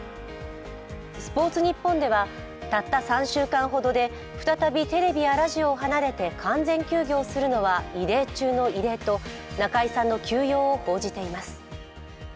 「スポーツニッポン」ではたった３週間ほどで再びテレビやラジオを離れて完全休業するのは異例中の異例と中居さんの休養を報じています。